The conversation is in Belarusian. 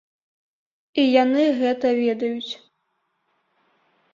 І яны гэта ведаюць.